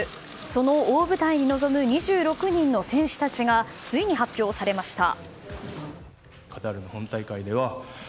その大舞台に臨む２６人の選手たちがついに発表されました。